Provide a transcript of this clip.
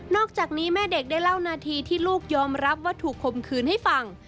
อกจากนี้แม่เด็กได้เล่านาทีที่ลูกยอมรับว่าถูกคมคืนให้ฟัง